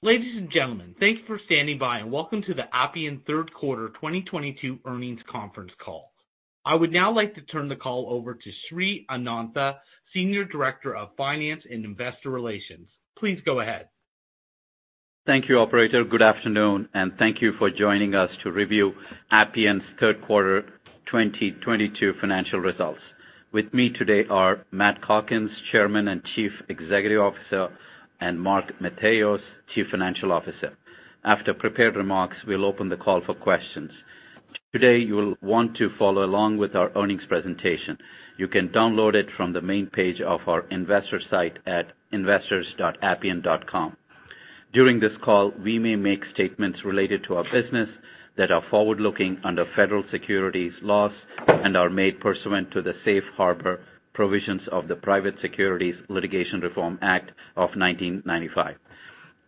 Ladies and gentlemen, thank you for standing by, and welcome to the Appian third quarter 2022 earnings conference call. I would now like to turn the call over to Srinivas Anantha, Senior Director of Finance and Investor Relations. Please go ahead. Thank you, operator. Good afternoon, and thank you for joining us to review Appian's third quarter 2022 financial results. With me today are Matt Calkins, Chairman and Chief Executive Officer, and Mark Matheos, Chief Financial Officer. After prepared remarks, we'll open the call for questions. Today, you'll want to follow along with our earnings presentation. You can download it from the main page of our investor site at investors.appian.com. During this call, we may make statements related to our business that are forward-looking under federal securities laws and are made pursuant to the Safe Harbor provisions of the Private Securities Litigation Reform Act of 1995.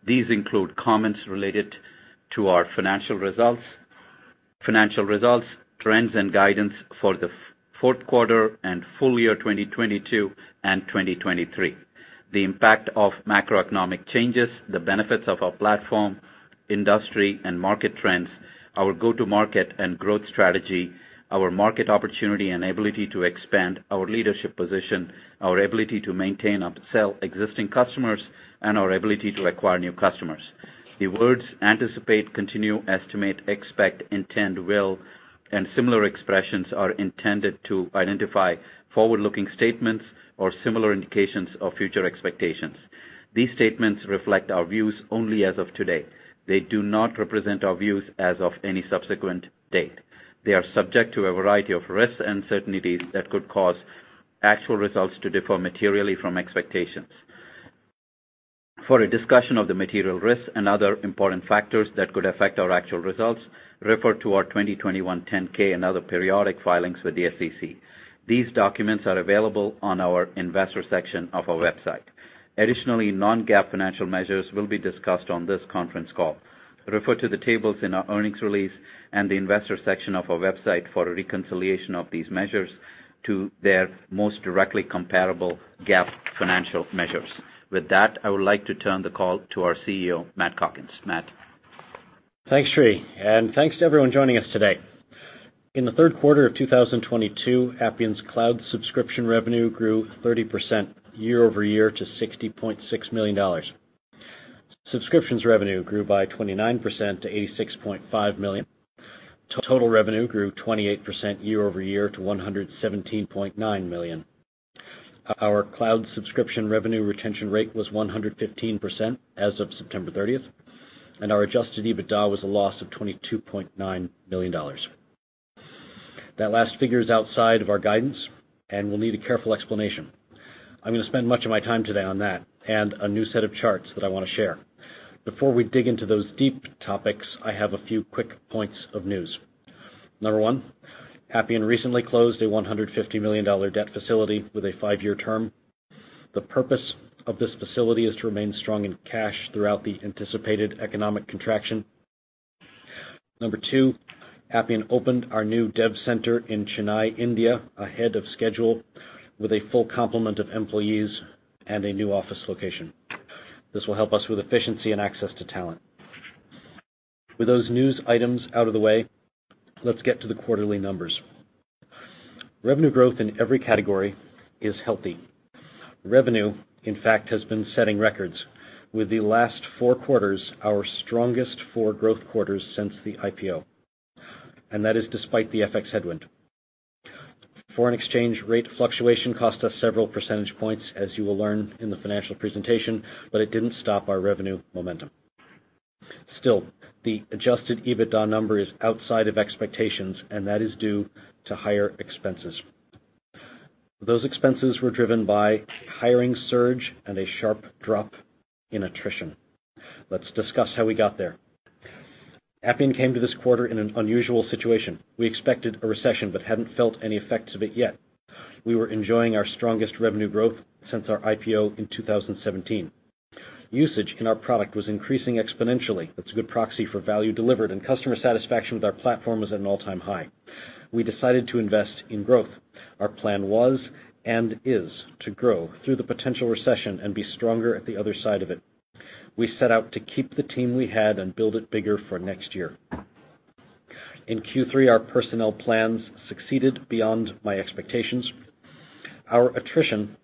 These include comments related to our financial results, trends and guidance for the fourth quarter and full year 2022 and 2023, the impact of macroeconomic changes, the benefits of our platform, industry and market trends, our go-to-market and growth strategy, our market opportunity and ability to expand our leadership position, our ability to maintain upsell existing customers, and our ability to acquire new customers. The words anticipate, continue, estimate, expect, intend, will, and similar expressions are intended to identify forward-looking statements or similar indications of future expectations. These statements reflect our views only as of today. They do not represent our views as of any subsequent date. They are subject to a variety of risks and uncertainties that could cause actual results to differ materially from expectations. For a discussion of the material risks and other important factors that could affect our actual results, refer to our 2021 10-K and other periodic filings with the SEC. These documents are available on our investor section of our website. Additionally, non-GAAP financial measures will be discussed on this conference call. Refer to the tables in our earnings release and the investor section of our website for a reconciliation of these measures to their most directly comparable GAAP financial measures. With that, I would like to turn the call to our CEO, Matt Calkins. Matt. Thanks, Sri, and thanks to everyone joining us today. In the third quarter of 2022, Appian's cloud subscription revenue grew 30% year-over-year to $60.6 million. Subscription revenue grew by 29% to $86.5 million. Total revenue grew 28% year-over-year to $117.9 million. Our cloud subscription revenue retention rate was 115% as of September 30, and our adjusted EBITDA was a loss of $22.9 million. That last figure is outside of our guidance and will need a careful explanation. I'm going to spend much of my time today on that and a new set of charts that I want to share. Before we dig into those deep topics, I have a few quick points of news. Number one, Appian recently closed a $150 million debt facility with a 5-year term. The purpose of this facility is to remain strong in cash throughout the anticipated economic contraction. Number two, Appian opened our new dev center in Chennai, India, ahead of schedule with a full complement of employees and a new office location. This will help us with efficiency and access to talent. With those news items out of the way, let's get to the quarterly numbers. Revenue growth in every category is healthy. Revenue, in fact, has been setting records, with the last 4 quarters our strongest 4 growth quarters since the IPO. That is despite the FX headwind. Foreign exchange rate fluctuation cost us several percentage points, as you will learn in the financial presentation, but it didn't stop our revenue momentum. Still, the adjusted EBITDA number is outside of expectations, and that is due to higher expenses. Those expenses were driven by hiring surge and a sharp drop in attrition. Let's discuss how we got there. Appian came to this quarter in an unusual situation. We expected a recession but hadn't felt any effects of it yet. We were enjoying our strongest revenue growth since our IPO in 2017. Usage in our product was increasing exponentially. That's a good proxy for value delivered, and customer satisfaction with our platform was at an all-time high. We decided to invest in growth. Our plan was and is to grow through the potential recession and be stronger at the other side of it. We set out to keep the team we had and build it bigger for next year. In Q3, our personnel plans succeeded beyond my expectations. Our attrition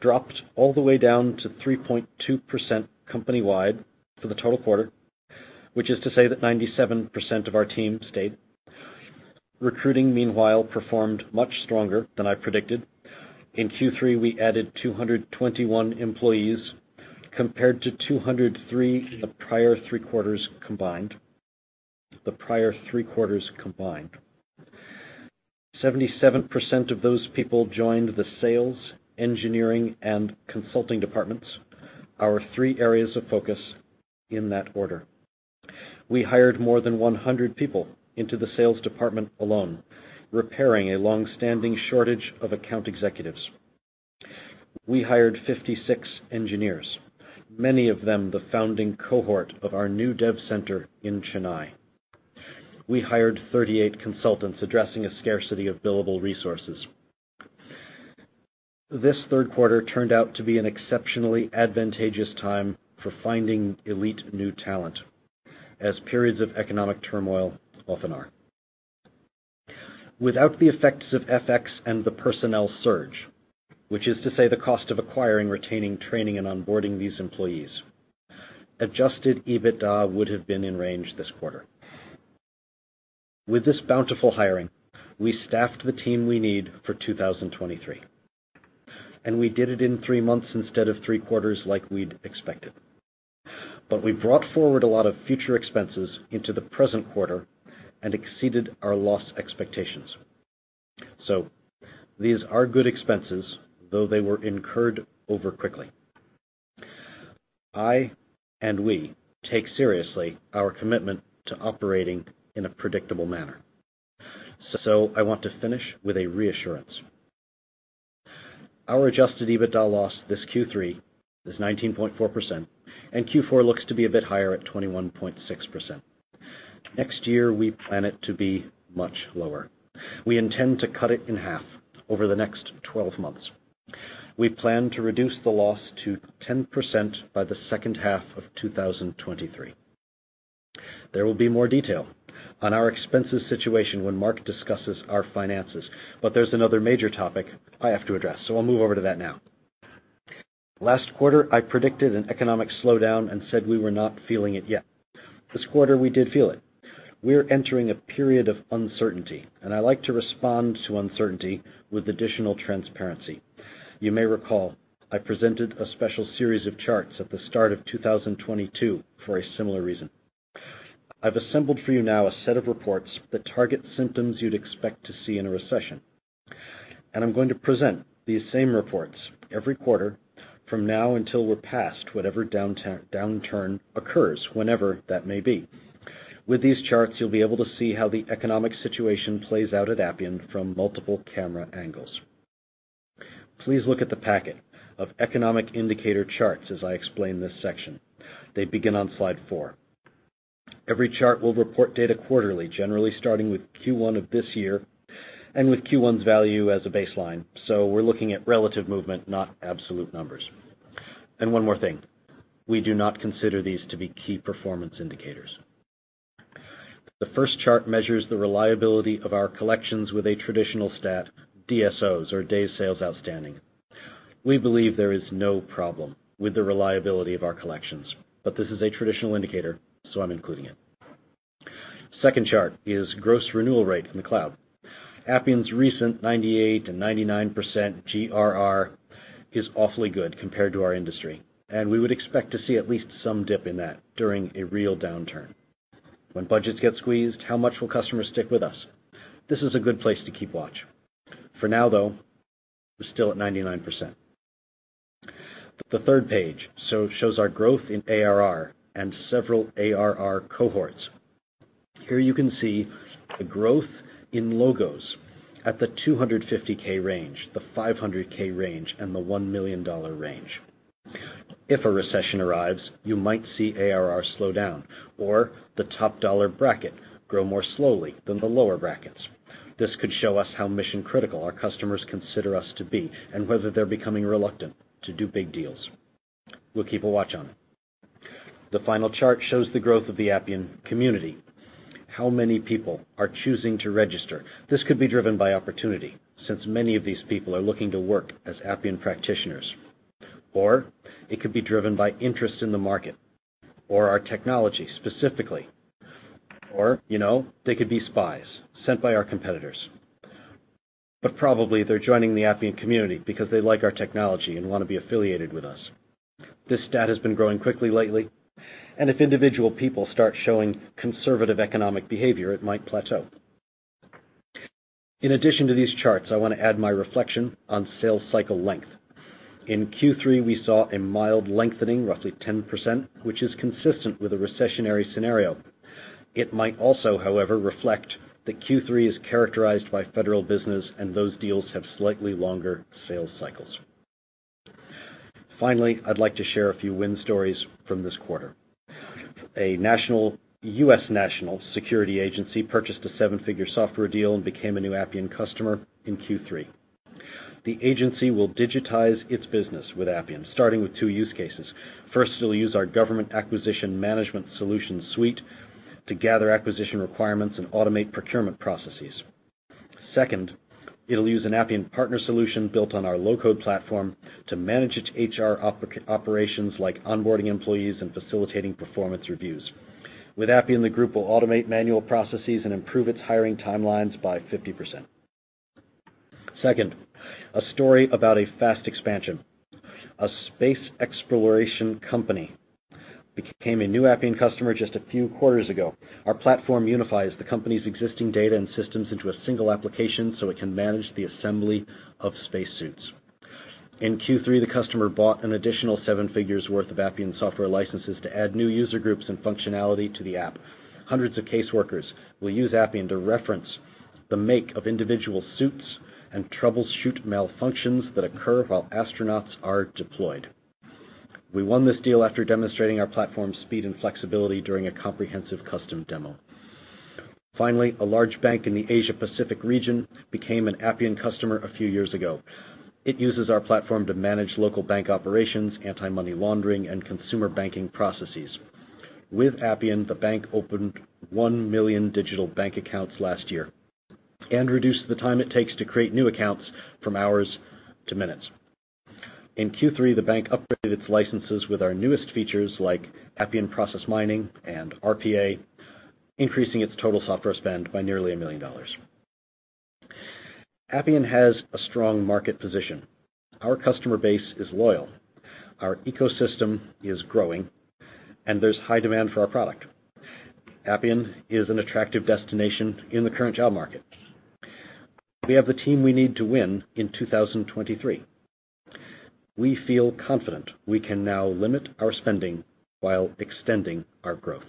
dropped all the way down to 3.2% company-wide for the total quarter, which is to say that 97% of our team stayed. Recruiting, meanwhile, performed much stronger than I predicted. In Q3, we added 221 employees compared to 203 the prior three quarters combined. 77% of those people joined the sales, engineering, and consulting departments, our three areas of focus in that order. We hired more than 100 people into the sales department alone, repairing a long-standing shortage of account executives. We hired 56 engineers, many of them the founding cohort of our new dev center in Chennai. We hired 38 consultants addressing a scarcity of billable resources. This third quarter turned out to be an exceptionally advantageous time for finding elite new talent, as periods of economic turmoil often are. Without the effects of FX and the personnel surge, which is to say the cost of acquiring, retaining, training, and onboarding these employees, adjusted EBITDA would have been in range this quarter. With this bountiful hiring, we staffed the team we need for 2023, and we did it in three months instead of three quarters like we'd expected. We brought forward a lot of future expenses into the present quarter and exceeded our loss expectations. These are good expenses, though they were incurred all too quickly. I and we take seriously our commitment to operating in a predictable manner. I want to finish with a reassurance. Our adjusted EBITDA loss this Q3 is 19.4%, and Q4 looks to be a bit higher at 21.6%. Next year, we plan it to be much lower. We intend to cut it in half over the next 12 months. We plan to reduce the loss to 10% by the second half of 2023. There will be more detail on our expenses situation when Mark discusses our finances, but there's another major topic I have to address, so I'll move over to that now. Last quarter, I predicted an economic slowdown and said we were not feeling it yet. This quarter, we did feel it. We're entering a period of uncertainty, and I like to respond to uncertainty with additional transparency. You may recall I presented a special series of charts at the start of 2022 for a similar reason. I've assembled for you now a set of reports that target symptoms you'd expect to see in a recession, and I'm going to present these same reports every quarter from now until we're past whatever downturn occurs, whenever that may be. With these charts, you'll be able to see how the economic situation plays out at Appian from multiple camera angles. Please look at the packet of economic indicator charts as I explain this section. They begin on slide 4. Every chart will report data quarterly, generally starting with Q1 of this year and with Q1's value as a baseline. We're looking at relative movement, not absolute numbers. One more thing, we do not consider these to be key performance indicators. The first chart measures the reliability of our collections with a traditional stat, DSOs or Days Sales Outstanding. We believe there is no problem with the reliability of our collections, but this is a traditional indicator, so I'm including it. Second chart is gross renewal rate in the cloud. Appian's recent 98% and 99% GRR is awfully good compared to our industry, and we would expect to see at least some dip in that during a real downturn. When budgets get squeezed, how much will customers stick with us? This is a good place to keep watch. For now, though, we're still at 99%. The third page shows our growth in ARR and several ARR cohorts. Here you can see the growth in logos at the $250,000 range, the $500, 000range, and the $1 million range. If a recession arrives, you might see ARR slow down or the top dollar bracket grow more slowly than the lower brackets. This could show us how mission-critical our customers consider us to be and whether they're becoming reluctant to do big deals. We'll keep a watch on it. The final chart shows the growth of the Appian Community. How many people are choosing to register? This could be driven by opportunity since many of these people are looking to work as Appian practitioners. Or it could be driven by interest in the market or our technology specifically. Or, you know, they could be spies sent by our competitors. But probably they're joining the Appian Community because they like our technology and want to be affiliated with us. This stat has been growing quickly lately, and if individual people start showing conservative economic behavior, it might plateau. In addition to these charts, I want to add my reflection on sales cycle length. In Q3, we saw a mild lengthening, roughly 10%, which is consistent with a recessionary scenario. It might also, however, reflect that Q3 is characterized by federal business and those deals have slightly longer sales cycles. Finally, I'd like to share a few win stories from this quarter. A US national security agency purchased a seven-figure software deal and became a new Appian customer in Q3. The agency will digitize its business with Appian, starting with two use cases. First, it'll use our Appian Government Acquisition Management suite to gather acquisition requirements and automate procurement processes. Second, it'll use an Appian partner solution built on our low-code platform to manage its HR operations like onboarding employees and facilitating performance reviews. With Appian, the group will automate manual processes and improve its hiring timelines by 50%. Second, a story about a fast expansion. A space exploration company became a new Appian customer just a few quarters ago. Our platform unifies the company's existing data and systems into a single application, so it can manage the assembly of space suits. In Q3, the customer bought an additional seven figures worth of Appian software licenses to add new user groups and functionality to the app. Hundreds of caseworkers will use Appian to reference the make of individual suits and troubleshoot malfunctions that occur while astronauts are deployed. We won this deal after demonstrating our platform's speed and flexibility during a comprehensive custom demo. Finally, a large bank in the Asia Pacific region became an Appian customer a few years ago. It uses our platform to manage local bank operations, anti-money laundering, and consumer banking processes. With Appian, the bank opened 1 million digital bank accounts last year and reduced the time it takes to create new accounts from hours to minutes. In Q3, the bank upgraded its licenses with our newest features like Appian Process Mining and RPA, increasing its total software spend by nearly $1 million. Appian has a strong market position. Our customer base is loyal, our ecosystem is growing, and there's high demand for our product. Appian is an attractive destination in the current job market. We have the team we need to win in 2023. We feel confident we can now limit our spending while extending our growth.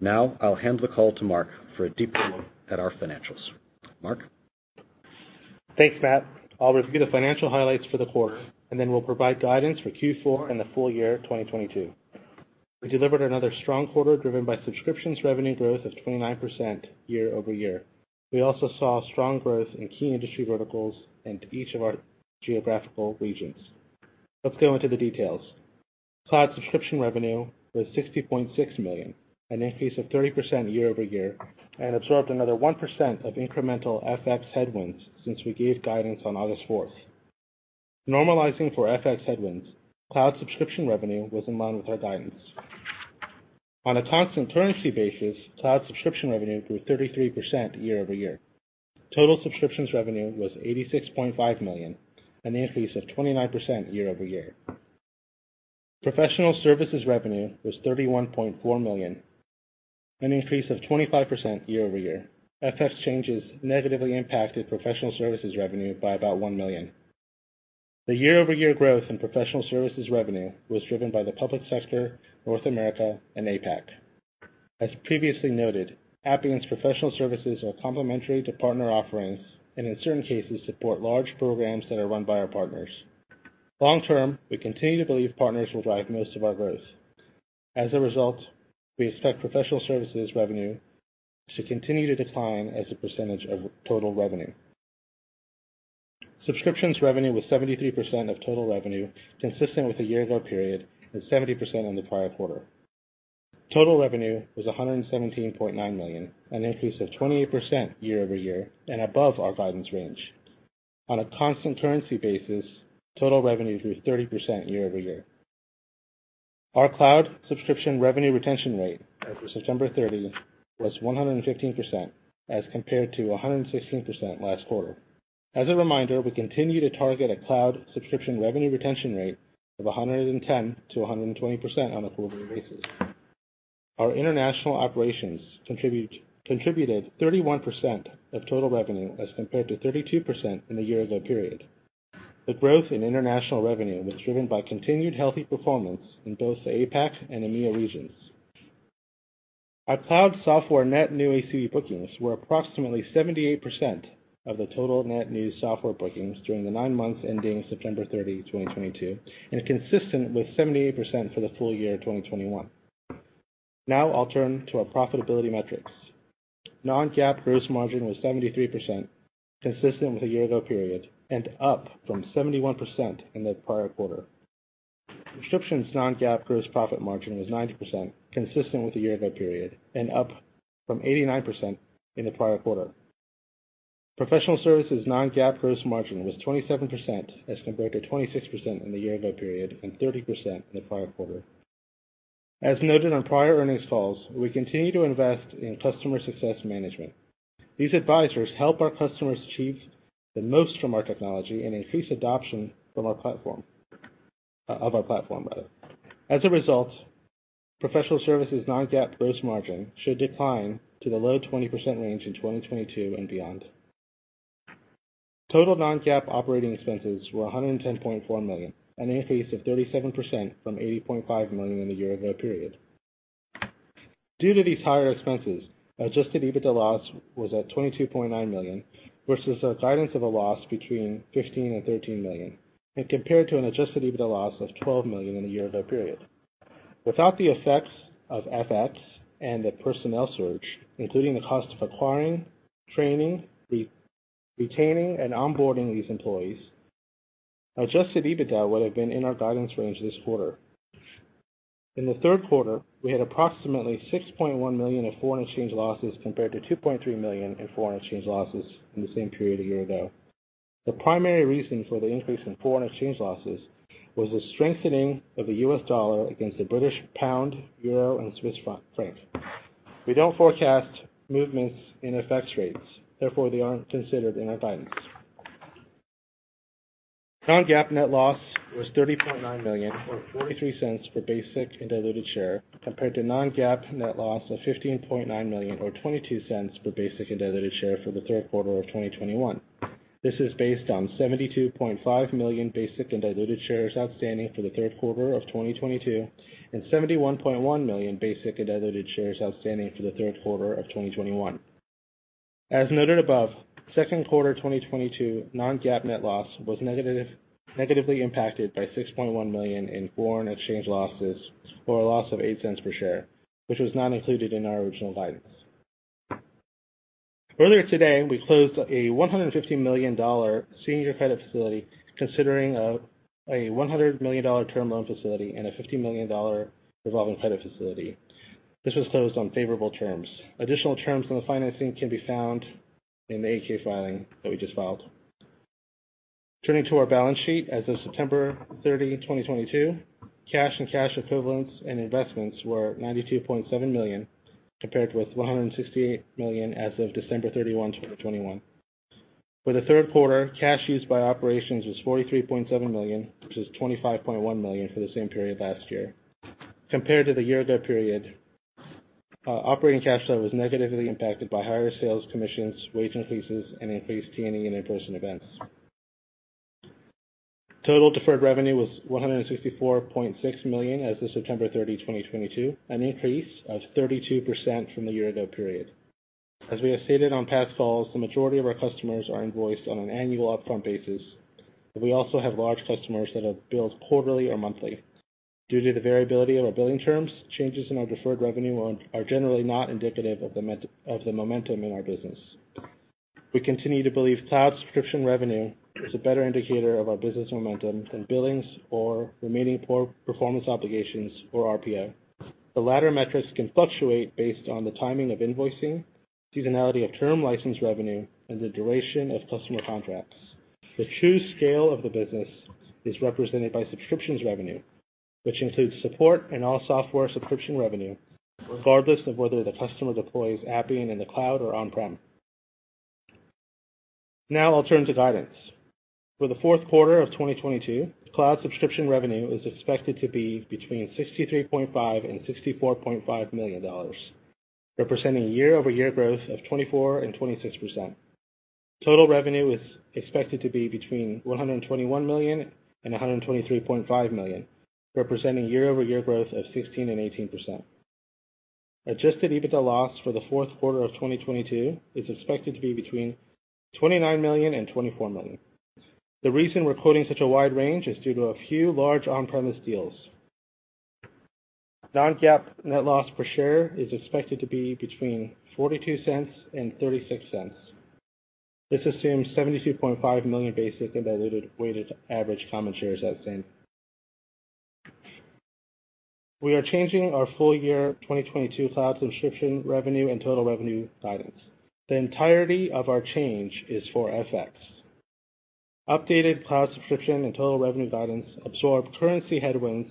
Now I'll hand the call to Mark for a deeper look at our financials. Mark? Thanks, Matt. I'll review the financial highlights for the quarter, and then we'll provide guidance for Q4 and the full year 2022. We delivered another strong quarter, driven by subscription revenue growth of 29% year-over-year. We also saw strong growth in key industry verticals and each of our geographical regions. Let's go into the details. Cloud subscription revenue was $60.6 million, an increase of 30% year-over-year, and absorbed another 1% of incremental FX headwinds since we gave guidance on August fourth. Normalizing for FX headwinds, cloud subscription revenue was in line with our guidance. On a constant currency basis, cloud subscription revenue grew 33% year-over-year. Total subscription revenue was $86.5 million, an increase of 29% year-over-year. Professional services revenue was $31.4 million, an increase of 25% year-over-year. FX changes negatively impacted professional services revenue by about $1 million. The year-over-year growth in professional services revenue was driven by the public sector, North America and APAC. As previously noted, Appian's professional services are complementary to partner offerings, and in certain cases support large programs that are run by our partners. Long term, we continue to believe partners will drive most of our growth. As a result, we expect professional services revenue to continue to decline as a percentage of total revenue. Subscriptions revenue was 73% of total revenue, consistent with the year-ago period and 70% in the prior quarter. Total revenue was $117.9 million, an increase of 28% year-over-year, and above our guidance range. On a constant currency basis, total revenue grew 30% year-over-year. Our cloud subscription revenue retention rate as of September 30 was 115%, as compared to 116% last quarter. As a reminder, we continue to target a cloud subscription revenue retention rate of 110%-120% on a quarterly basis. Our international operations contributed 31% of total revenue, as compared to 32% in the year ago period. The growth in international revenue was driven by continued healthy performance in both the APAC and EMEA regions. Our cloud software net new ACV bookings were approximately 78% of the total net new software bookings during the nine months ending September 30, 2022, and consistent with 78% for the full year 2021. Now I'll turn to our profitability metrics. Non-GAAP gross margin was 73%, consistent with the year-ago period, and up from 71% in the prior quarter. Subscriptions non-GAAP gross profit margin was 90%, consistent with the year-ago period and up from 89% in the prior quarter. Professional services non-GAAP gross margin was 27%, as compared to 26% in the year-ago period and 30% in the prior quarter. As noted on prior earnings calls, we continue to invest in customer success management. These advisors help our customers achieve the most from our technology and increase adoption of our platform, rather. As a result, professional services non-GAAP gross margin should decline to the low 20% range in 2022 and beyond. Total non-GAAP operating expenses were $110.4 million, an increase of 37% from $80.5 million in the year-ago period. Due to these higher expenses, adjusted EBITDA loss was $22.9 million, versus a guidance of a loss between $15 million and $13 million, and compared to an adjusted EBITDA loss of $12 million in the year-ago period. Without the effects of FX and the personnel surge, including the cost of acquiring, training, retaining and onboarding these employees, adjusted EBITDA would have been in our guidance range this quarter. In the third quarter, we had approximately $6.1 million in foreign exchange losses, compared to $2.3 million in foreign exchange losses in the same period a year ago. The primary reason for the increase in foreign exchange losses was the strengthening of the US dollar against the British pound, euro and Swiss franc. We don't forecast movements in FX rates, therefore they aren't considered in our guidance. Non-GAAP net loss was $30.9 million, or $0.43 per basic and diluted share, compared to non-GAAP net loss of $15.9 million or $0.22 per basic and diluted share for the third quarter of 2021. This is based on 72.5 million basic and diluted shares outstanding for the third quarter of 2022, and 71.1 million basic and diluted shares outstanding for the third quarter of 2021. As noted above, second quarter 2022 non-GAAP net loss was negatively impacted by $60.1 million in foreign exchange losses or a loss of $0.08 per share, which was not included in our original guidance. Earlier today, we closed a $150 million senior credit facility, consisting of a $100 million term loan facility and a $50 million revolving credit facility. This was closed on favorable terms. Additional terms on the financing can be found in the 8-K filing that we just filed. Turning to our balance sheet as of September 30, 2022, cash and cash equivalents and investments were $92.7 million, compared with $168 million as of December 31, 2021. For the third quarter, cash used by operations was $43.7 million, which is $25.1 million for the same period last year. Compared to the year ago period, operating cash flow was negatively impacted by higher sales commissions, wage increases, and increased T&E and in-person events. Total deferred revenue was $164.6 million as of September 30, 2022, an increase of 32% from the year ago period. As we have stated on past calls, the majority of our customers are invoiced on an annual upfront basis, but we also have large customers that have billed quarterly or monthly. Due to the variability of our billing terms, changes in our deferred revenue are generally not indicative of the metric of the momentum in our business. We continue to believe cloud subscription revenue is a better indicator of our business momentum than billings or remaining performance obligations or RPO. The latter metrics can fluctuate based on the timing of invoicing, seasonality of term license revenue, and the duration of customer contracts. The true scale of the business is represented by subscription revenue, which includes support and all software subscription revenue, regardless of whether the customer deploys Appian in the cloud or on-prem. Now I'll turn to guidance. For the fourth quarter of 2022, cloud subscription revenue is expected to be between $63.5 million and $64.5 million, representing year-over-year growth of 24% and 26%. Total revenue is expected to be between $121 million and $123.5 million, representing year-over-year growth of 16%-18%. Adjusted EBITDA loss for the fourth quarter of 2022 is expected to be between $29 million and $24 million. The reason we're quoting such a wide range is due to a few large on-premise deals. Non-GAAP net loss per share is expected to be between $0.42 and $0.36. This assumes 72.5 million basic and diluted weighted average common shares outstanding. We are changing our full year 2022 cloud subscription revenue and total revenue guidance. The entirety of our change is for FX. Updated cloud subscription and total revenue guidance absorb currency headwinds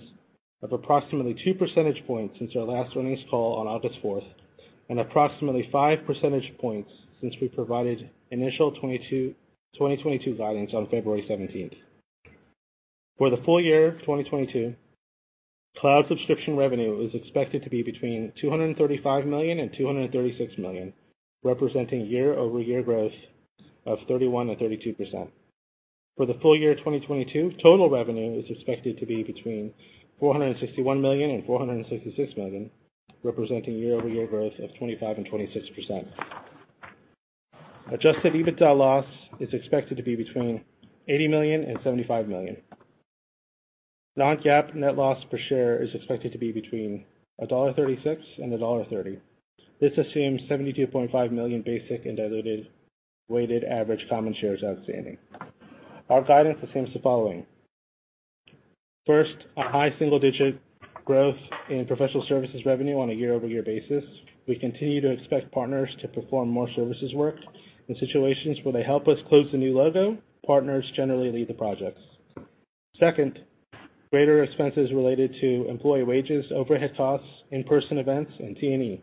of approximately 2 percentage points since our last earnings call on August 4, and approximately 5 percentage points since we provided initial Q2 2022 guidance on February 17. For the full year of 2022, cloud subscription revenue is expected to be between $235 million and $236 million, representing year-over-year growth of 31%-32%. For the full year 2022, total revenue is expected to be between $461 million and $466 million, representing year-over-year growth of 25%-26%. Adjusted EBITDA loss is expected to be between $80 million and $75 million. Non-GAAP net loss per share is expected to be between $1.36 and $1.30. This assumes 72.5 million basic and diluted weighted average common shares outstanding. Our guidance assumes the following. First, high single-digit % growth in professional services revenue on a year-over-year basis. We continue to expect partners to perform more services work. In situations where they help us close the new logo, partners generally lead the projects. Second, greater expenses related to employee wages, overhead costs, in-person events, and T&E.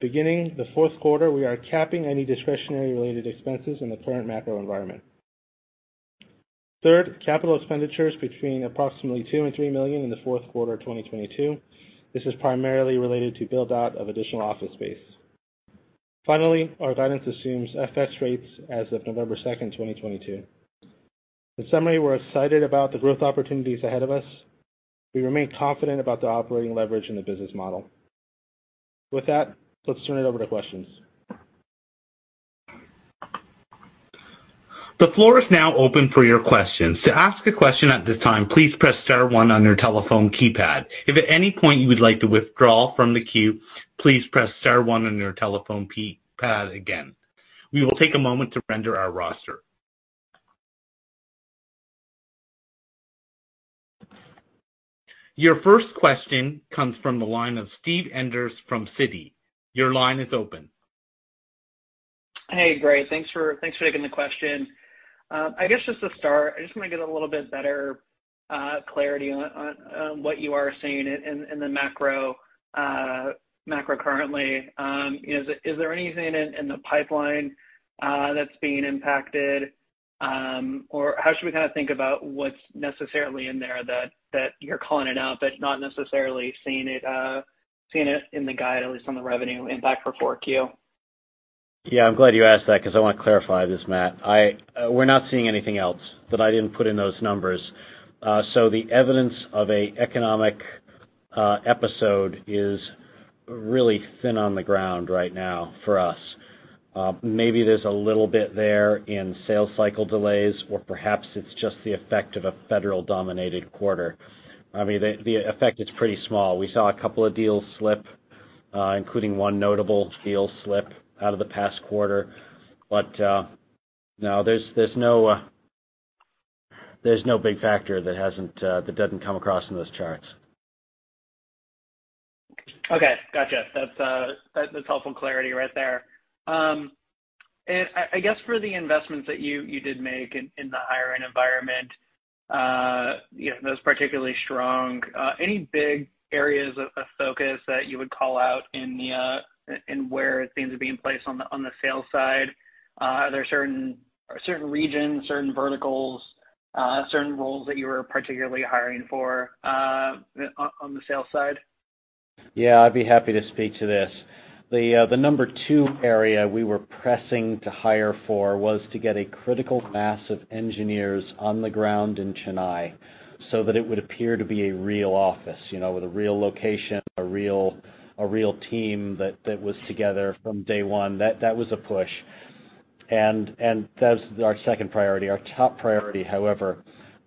Beginning the fourth quarter, we are capping any discretionary related expenses in the current macro environment. Third, capital expenditures between approximately $2 million-$3 million in the fourth quarter of 2022. This is primarily related to build-out of additional office space. Finally, our guidance assumes FX rates as of November 2, 2022. In summary, we're excited about the growth opportunities ahead of us. We remain confident about the operating leverage in the business model. With that, let's turn it over to questions. The floor is now open for your questions. To ask a question at this time, please press star one on your telephone keypad. If at any point you would like to withdraw from the queue, please press star one on your telephone keypad again. We will take a moment to render our roster. Your first question comes from the line of Steven Enders from Citi. Your line is open. Hey, great. Thanks for taking the question. I guess just to start, I just want to get a little bit better clarity on what you are seeing in the macro currently. You know, is there anything in the pipeline that's being impacted? Or how should we kind of think about what's necessarily in there that you're calling it out, but not necessarily seeing it in the guide, at least on the revenue impact for 4Q? Yeah, I'm glad you asked that because I want to clarify this, Matt. We're not seeing anything else that I didn't put in those numbers. The evidence of an economic Episode is really thin on the ground right now for us. Maybe there's a little bit there in sales cycle delays, or perhaps it's just the effect of a federal-dominated quarter. I mean, the effect is pretty small. We saw a couple of deals slip, including one notable deal slip out of the past quarter. But no, there's no big factor that doesn't come across in those charts. Okay. Gotcha. That's helpful clarity right there. I guess for the investments that you did make in the hiring environment, you know, those particularly strong, any big areas of focus that you would call out in where things are being placed on the sales side? Are there certain regions, certain verticals, certain roles that you were particularly hiring for on the sales side? Yeah, I'd be happy to speak to this. The number two area we were pressing to hire for was to get a critical mass of engineers on the ground in Chennai so that it would appear to be a real office, you know, with a real location, a real team that was together from day one. That was a push. That was our second priority. Our top priority, however,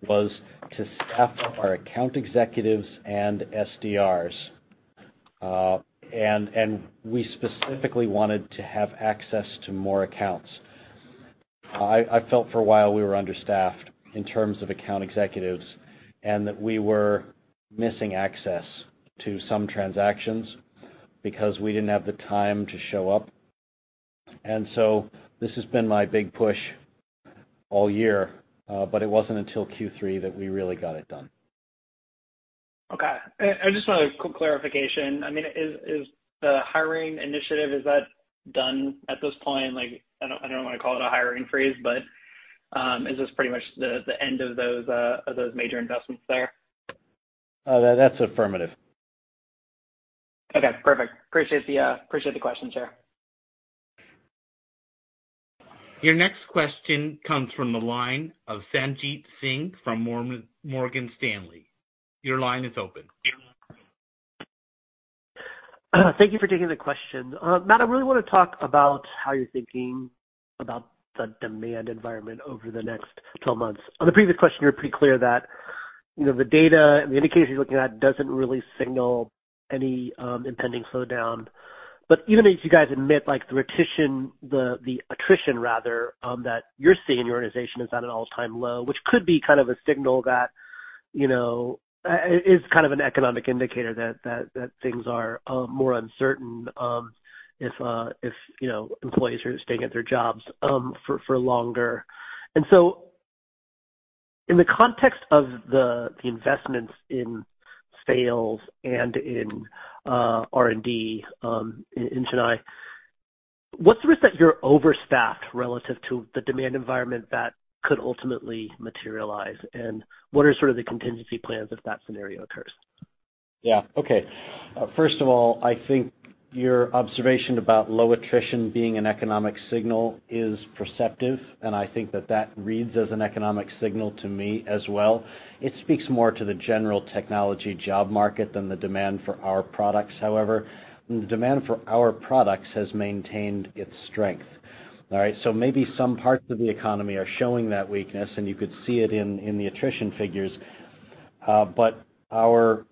was to staff up our account executives and SDRs. We specifically wanted to have access to more accounts. I felt for a while we were understaffed in terms of account executives, and that we were missing access to some transactions because we didn't have the time to show up. This has been my big push all year, but it wasn't until Q3 that we really got it done. Okay. I just wanted a quick clarification. I mean, is the hiring initiative done at this point? Like, I don't wanna call it a hiring freeze, but is this pretty much the end of those major investments there? That's affirmative. Okay, perfect. Appreciate the question, sir. Your next question comes from the line of Sanjit Singh from Morgan Stanley. Your line is open. Thank you for taking the question. Matt, I really wanna talk about how you're thinking about the demand environment over the next 12 months. On the previous question, you were pretty clear that, you know, the data and the indicators you're looking at doesn't really signal any impending slowdown. Even as you guys admit, like, the attrition rather that you're seeing in your organization is at an all-time low, which could be kind of a signal that, you know, it is kind of an economic indicator that things are more uncertain if you know employees are staying at their jobs for longer. In the context of the investments in sales and in R&D in Chennai, what's the risk that you're overstaffed relative to the demand environment that could ultimately materialize? What are sort of the contingency plans if that scenario occurs? Yeah. Okay. First of all, I think your observation about low attrition being an economic signal is perceptive, and I think that reads as an economic signal to me as well. It speaks more to the general technology job market than the demand for our products, however. The demand for our products has maintained its strength. All right? Maybe some parts of the economy are showing that weakness, and you could see it in the attrition figures, but our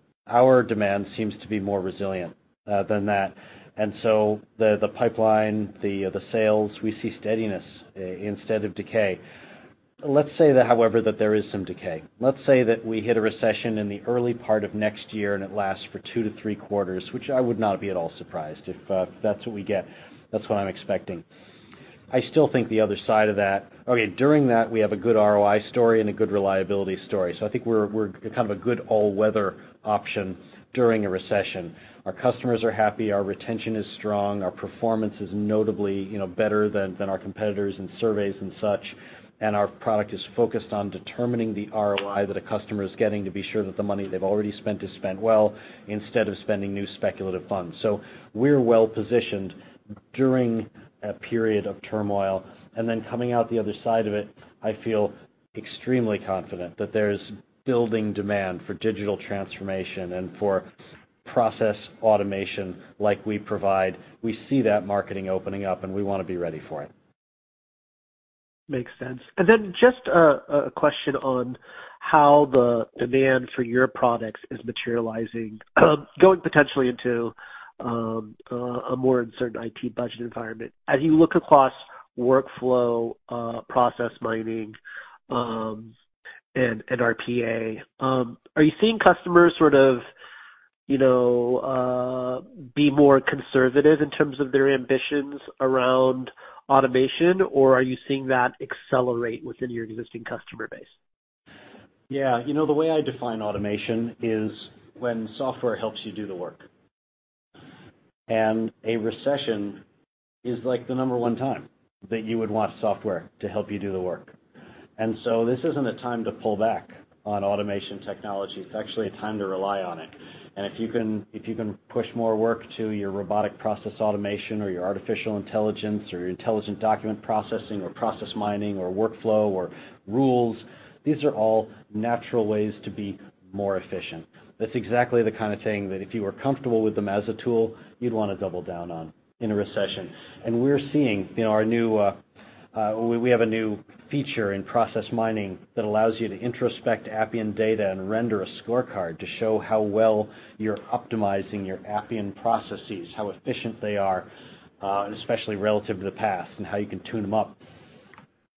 demand seems to be more resilient than that. The pipeline, the sales, we see steadiness instead of decay. Let's say that, however, that there is some decay. Let's say that we hit a recession in the early part of next year, and it lasts for 2-3 quarters, which I would not be at all surprised if that's what we get. That's what I'm expecting. During that, we have a good ROI story and a good reliability story. I think we're kind of a good all-weather option during a recession. Our customers are happy, our retention is strong, our performance is notably, you know, better than our competitors in surveys and such, and our product is focused on determining the ROI that a customer is getting to be sure that the money they've already spent is spent well instead of spending new speculative funds. We're well positioned during a period of turmoil. Coming out the other side of it, I feel extremely confident that there's building demand for digital transformation and for process automation like we provide. We see that marketing opening up, and we wanna be ready for it. Makes sense. Just a question on how the demand for your products is materializing, going potentially into a more uncertain IT budget environment. As you look across workflow, process mining, and RPA, are you seeing customers sort of, you know, be more conservative in terms of their ambitions around automation, or are you seeing that accelerate within your existing customer base? Yeah. You know, the way I define automation is when software helps you do the work. A recession is like the number one time that you would want software to help you do the work. This isn't a time to pull back on automation technology. It's actually a time to rely on it. If you can push more work to your Robotic Process Automation or your artificial intelligence or your Intelligent Document Processing or process mining or workflow or rules, these are all natural ways to be more efficient. That's exactly the kind of thing that if you are comfortable with them as a tool, you'd wanna double down on in a recession. We're seeing, you know, we have a new feature in process mining that allows you to introspect Appian data and render a scorecard to show how well you're optimizing your Appian processes, how efficient they are, especially relative to the past and how you can tune them up.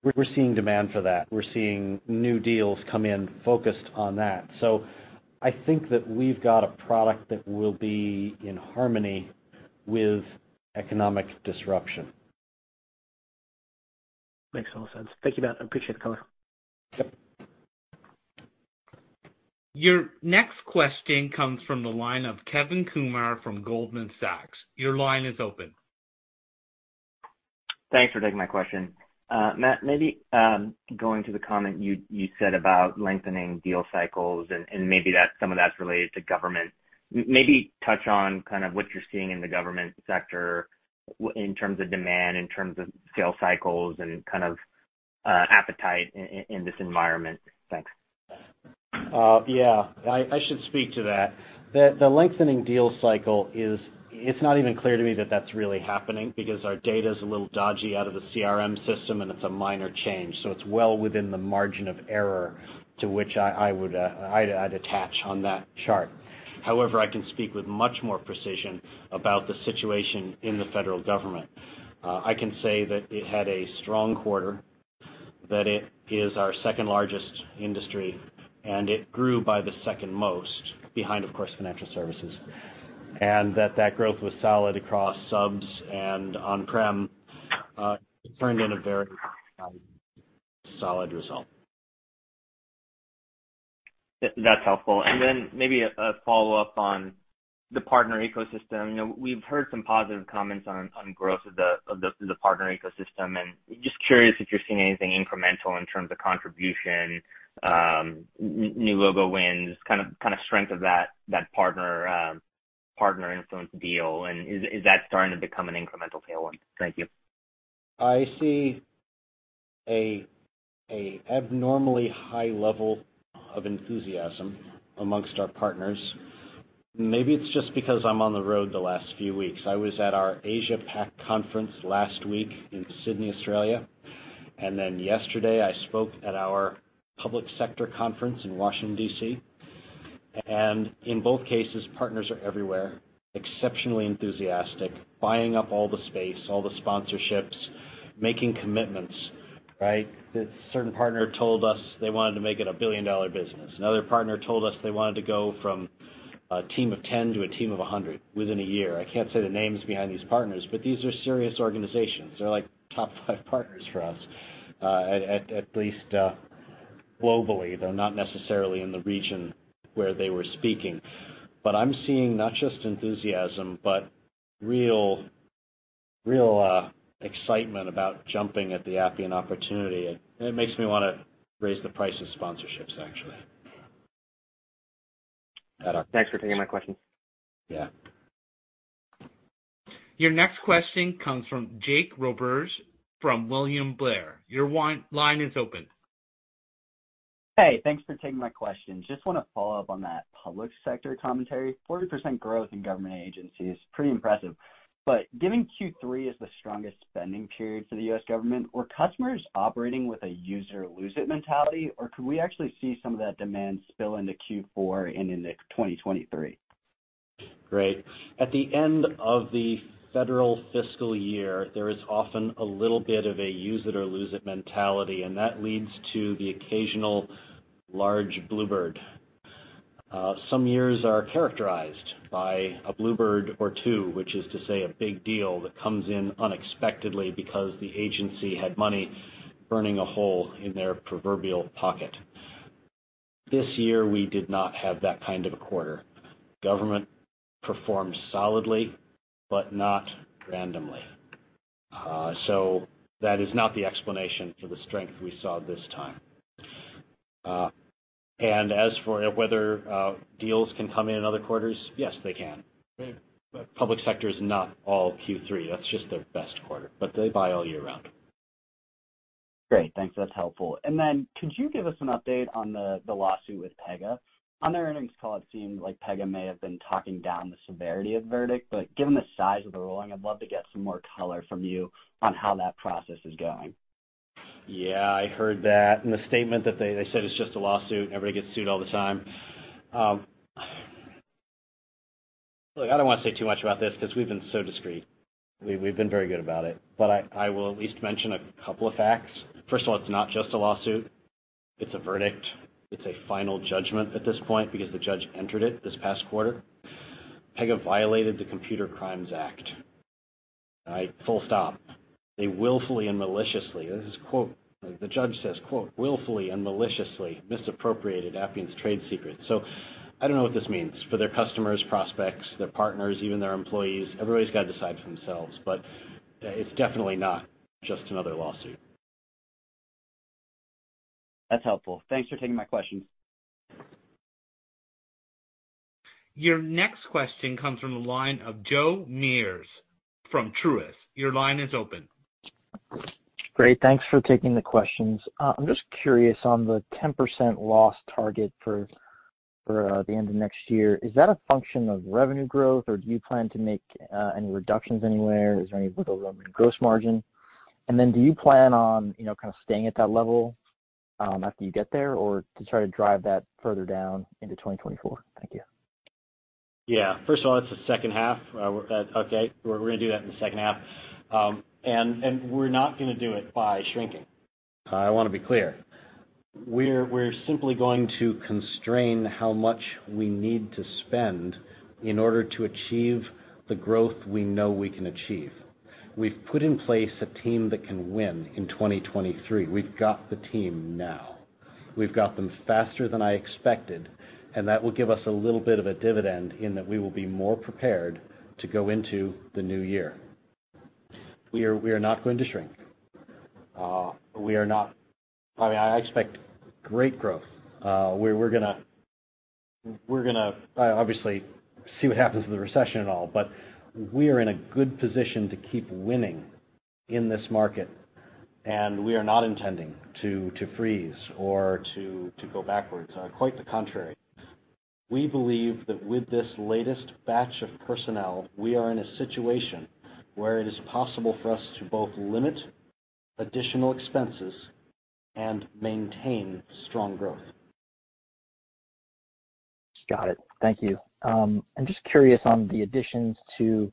We're seeing demand for that. We're seeing new deals come in focused on that. I think that we've got a product that will be in harmony with economic disruption. Makes a lot of sense. Thank you, Matt. I appreciate the color. Yep. Your next question comes from the line of Kevin Kumar from Goldman Sachs. Your line is open. Thanks for taking my question. Matt, maybe going to the comment you said about lengthening deal cycles and maybe that's some of that is related to government. Maybe touch on kind of what you're seeing in the government sector in terms of demand, in terms of sales cycles and kind of appetite in this environment. Thanks. Yeah. I should speak to that. The lengthening deal cycle is. It's not even clear to me that that's really happening because our data is a little dodgy out of the CRM system, and it's a minor change, so it's well within the margin of error to which I would attach on that chart. However, I can speak with much more precision about the situation in the federal government. I can say that it had a strong quarter, that it is our second-largest industry, and it grew by the second most behind, of course, financial services. That growth was solid across subs and on-prem, turned in a very solid result. That's helpful. Then maybe a follow-up on the partner ecosystem. You know, we've heard some positive comments on growth of the partner ecosystem. Just curious if you're seeing anything incremental in terms of contribution, new logo wins, kind of strength of that partner influence deal, and is that starting to become an incremental tailwind? Thank you. I see an abnormally high level of enthusiasm among our partners. Maybe it's just because I'm on the road the last few weeks. I was at our Asia PAC conference last week in Sydney, Australia, and then yesterday I spoke at our public sector conference in Washington, D.C. In both cases, partners are everywhere, exceptionally enthusiastic, buying up all the space, all the sponsorships, making commitments, right? That certain partner told us they wanted to make it a billion-dollar business. Another partner told us they wanted to go from a team of 10 to a team of 100 within a year. I can't say the names behind these partners, but these are serious organizations. They're like top five partners for us, at least globally. They're not necessarily in the region where they were speaking. I'm seeing not just enthusiasm, but real excitement about jumping at the Appian opportunity. It makes me wanna raise the price of sponsorships, actually. Thanks for taking my question. Yeah. Your next question comes from Jake Roberge from William Blair. Your line is open. Hey, thanks for taking my question. Just wanna follow up on that public sector commentary. 40% growth in government agencies, pretty impressive. Given Q3 is the strongest spending period for the U.S. government, were customers operating with a use or lose it mentality, or could we actually see some of that demand spill into Q4 and into 2023? Great. At the end of the federal fiscal year, there is often a little bit of a use it or lose it mentality, and that leads to the occasional large bluebird. Some years are characterized by a bluebird or two, which is to say a big deal that comes in unexpectedly because the agency had money burning a hole in their proverbial pocket. This year, we did not have that kind of a quarter. Government performed solidly, but not randomly. That is not the explanation for the strength we saw this time. As for whether deals can come in in other quarters, yes, they can. Public sector is not all Q3. That's just their best quarter. They buy all year round. Great. Thanks. That's helpful. Then could you give us an update on the lawsuit with Pega? On their earnings call, it seemed like Pega may have been talking down the severity of verdict. Given the size of the ruling, I'd love to get some more color from you on how that process is going. Yeah, I heard that. In the statement that they said it's just a lawsuit. Everybody gets sued all the time. Look, I don't wanna say too much about this 'cause we've been so discreet. We've been very good about it, but I will at least mention a couple of facts. First of all, it's not just a lawsuit, it's a verdict. It's a final judgment at this point because the judge entered it this past quarter. Pega violated the Computer Crimes Act. All right? Full stop. They willfully and maliciously, this is a quote. The judge says, quote, "Willfully and maliciously misappropriated Appian's trade secrets." So I don't know what this means for their customers, prospects, their partners, even their employees. Everybody's got to decide for themselves, but it's definitely not just another lawsuit. That's helpful. Thanks for taking my question. Your next question comes from the line of Joe Meares from Truist. Your line is open. Great. Thanks for taking the questions. I'm just curious on the 10% loss target for the end of next year. Is that a function of revenue growth, or do you plan to make any reductions anywhere? Is there any way to lower the gross margin? Do you plan on, you know, kind of staying at that level after you get there or to try to drive that further down into 2024? Thank you. Yeah. First of all, it's the second half. Okay, we're gonna do that in the second half. We're not gonna do it by shrinking. I wanna be clear. We're simply going to constrain how much we need to spend in order to achieve the growth we know we can achieve. We've put in place a team that can win in 2023. We've got the team now. We've got them faster than I expected, and that will give us a little bit of a dividend in that we will be more prepared to go into the new year. We are not going to shrink. I expect great growth. We're going to obviously see what happens with the recession and all, but we are in a good position to keep winning in this market, and we are not intending to freeze or to go backwards. Quite the contrary. We believe that with this latest batch of personnel, we are in a situation where it is possible for us to both limit additional expenses and maintain strong growth. Got it. Thank you. I'm just curious on the additions to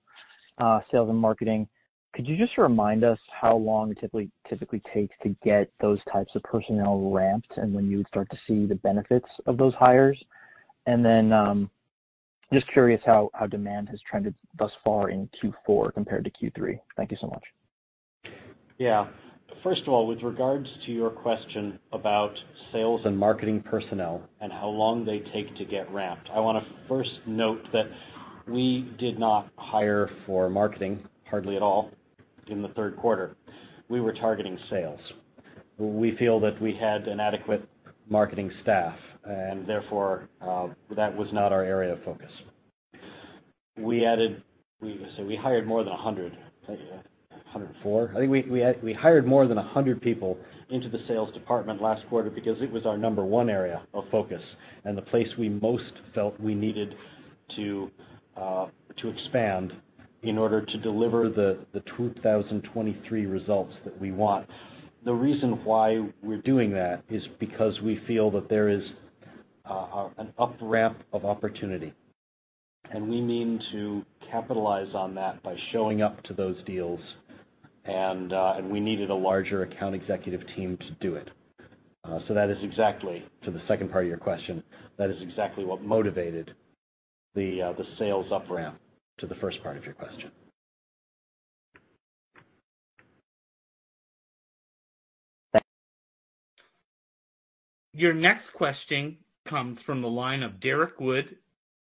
sales and marketing. Could you just remind us how long it typically takes to get those types of personnel ramped and when you would start to see the benefits of those hires? Then, just curious how demand has trended thus far in Q4 compared to Q3. Thank you so much. Yeah. First of all, with regards to your question about sales and marketing personnel and how long they take to get ramped, I wanna first note that we did not hire for marketing hardly at all in the third quarter. We were targeting sales. We feel that we had an adequate marketing staff, and therefore, that was not our area of focus. We hired more than 100. 104? I think we hired more than 100 people into the sales department last quarter because it was our number one area of focus and the place we most felt we needed to expand in order to deliver the 2023 results that we want. The reason why we're doing that is because we feel that there is an up-ramp of opportunity, and we mean to capitalize on that by showing up to those deals and we needed a larger account executive team to do it. That is exactly to the second part of your question. That is exactly what motivated the sales up-ramp to the first part of your question. Thank you. Your next question comes from the line of Derrick Wood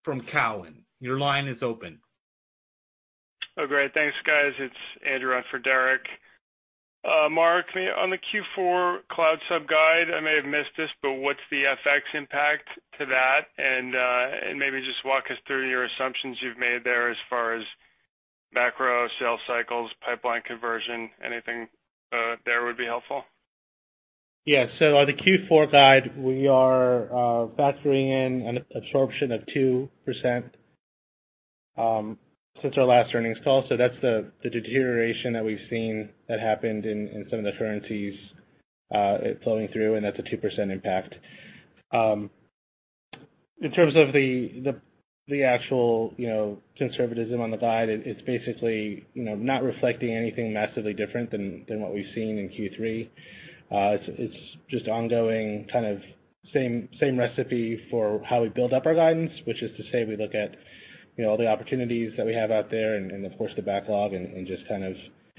from TD Cowen. Your line is open. Oh, great. Thanks, guys. It's Andrew on for Derrick. Mark, on the Q4 cloud sub-guide, I may have missed this, but what's the FX impact to that? Maybe just walk us through your assumptions you've made there as far as macro sales cycles, pipeline conversion. Anything there would be helpful. Yeah. On the Q4 guide, we are factoring in an absorption of 2% since our last earnings call. That's the deterioration that we've seen that happened in some of the currencies flowing through, and that's a 2% impact. In terms of the actual, you know, conservatism on the guide, it's basically, you know, not reflecting anything massively different than what we've seen in Q3. It's just ongoing kind of same recipe for how we build up our guidance, which is to say we look at, you know, all the opportunities that we have out there and of course the backlog and just kind of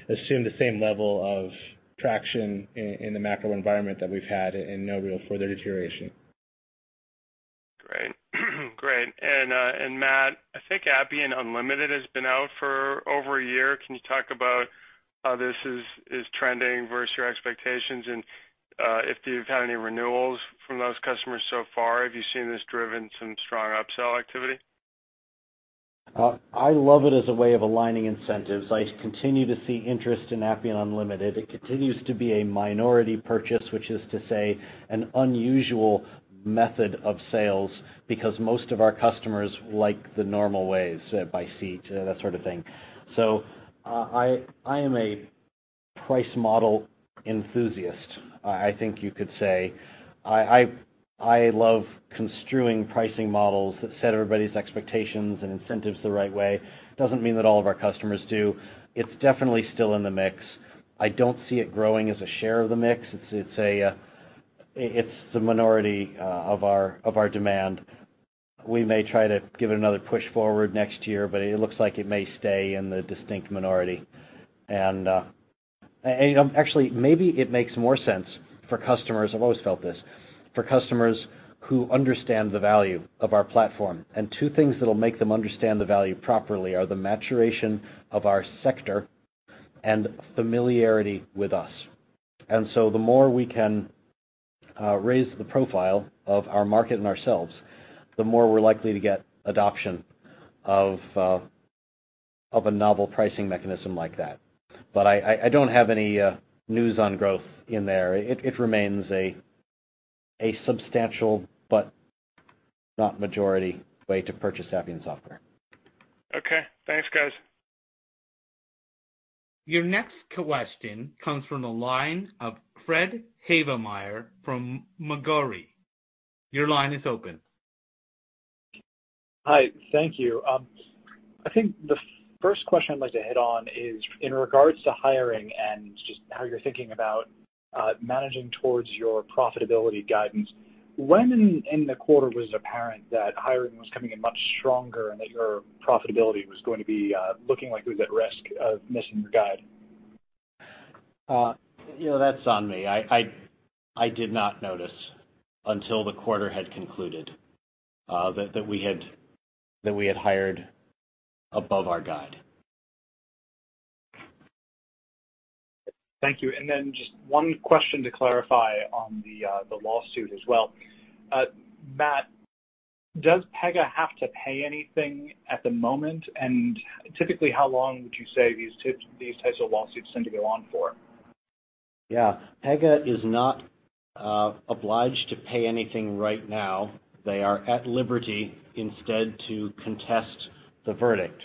assume the same level of traction in the macro environment that we've had and no real further deterioration. Great. Matt, I think Appian Unlimited has been out for over a year. Can you talk about how this is trending versus your expectations, and if you've had any renewals from those customers so far? Have you seen this driving some strong upsell activity? I love it as a way of aligning incentives. I continue to see interest in Appian Unlimited. It continues to be a minority purchase, which is to say an unusual method of sales because most of our customers like the normal ways, by seat, that sort of thing. I am a pricing model enthusiast, I think you could say. I love construing pricing models that set everybody's expectations and incentives the right way. Doesn't mean that all of our customers do. It's definitely still in the mix. I don't see it growing as a share of the mix. It's the minority of our demand. We may try to give it another push forward next year, but it looks like it may stay in the distinct minority. Actually, maybe it makes more sense for customers. I've always felt this, for customers who understand the value of our platform. Two things that'll make them understand the value properly are the maturation of our sector and familiarity with us. The more we can raise the profile of our market and ourselves, the more we're likely to get adoption of a novel pricing mechanism like that. I don't have any news on growth in there. It remains a substantial but not majority way to purchase Appian software. Okay, thanks guys. Your next question comes from the line of Frederick Havemeyer from Macquarie. Your line is open. Hi. Thank you. I think the first question I'd like to hit on is in regards to hiring and just how you're thinking about managing towards your profitability guidance. When in the quarter was it apparent that hiring was coming in much stronger and that your profitability was going to be looking like it was at risk of missing your guidance? You know, that's on me. I did not notice until the quarter had concluded, that we had hired above our guide. Thank you. Just one question to clarify on the lawsuit as well. Matt, does Pega have to pay anything at the moment? Typically, how long would you say these types of lawsuits tend to go on for? Yeah. Pega is not obliged to pay anything right now. They are at liberty instead to contest the verdict.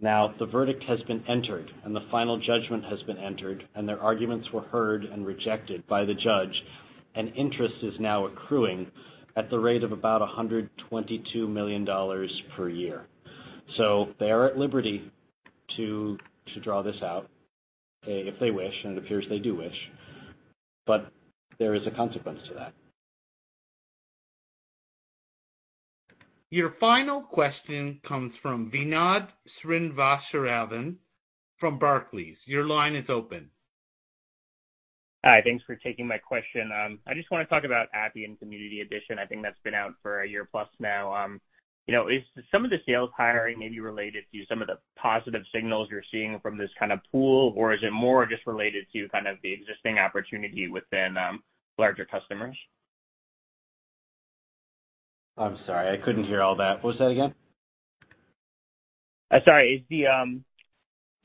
Now, the verdict has been entered, and the final judgment has been entered, and their arguments were heard and rejected by the judge. Interest is now accruing at the rate of about $122 million per year. They are at liberty to draw this out, if they wish, and it appears they do wish, but there is a consequence to that. Your final question comes from Vinod Srinivasaraghavan from Barclays. Your line is open. Hi. Thanks for taking my question. I just wanna talk about Appian Community Edition. I think that's been out for a year plus now. You know, is some of the sales hiring maybe related to some of the positive signals you're seeing from this kind of pool, or is it more just related to kind of the existing opportunity within larger customers? I'm sorry. I couldn't hear all that. What's that again? Sorry. Is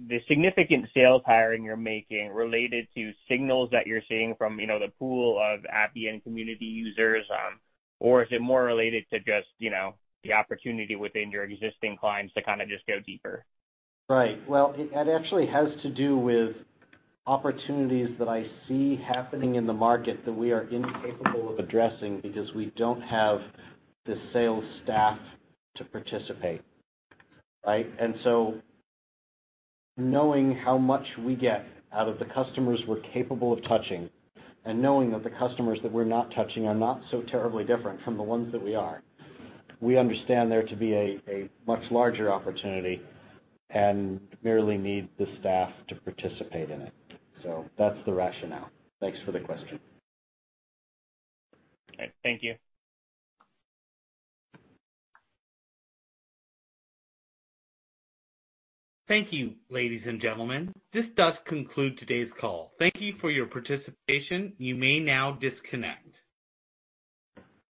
the significant sales hiring you're making related to signals that you're seeing from, you know, the pool of Appian Community users, or is it more related to just, you know, the opportunity within your existing clients to kinda just go deeper? Right. Well, it actually has to do with opportunities that I see happening in the market that we are incapable of addressing because we don't have the sales staff to participate, right? Knowing how much we get out of the customers we're capable of touching and knowing that the customers that we're not touching are not so terribly different from the ones that we are, we understand there to be a much larger opportunity and merely need the staff to participate in it. That's the rationale. Thanks for the question. Okay. Thank you. Thank you, ladies and gentlemen. This does conclude today's call. Thank you for your participation. You may now disconnect.